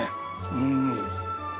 うん。